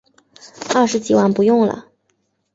二十几万不用了